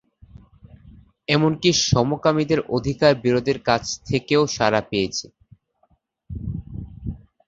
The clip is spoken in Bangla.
এমনকি সমকামীদের অধিকারের বিরোধীদের কাছ থেকেও সাড়া পেয়েছিল।